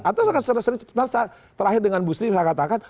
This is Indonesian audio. atau seharusnya terakhir dengan busri misalkan katakan